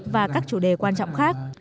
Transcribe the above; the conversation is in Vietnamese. và các tổng thống mỹ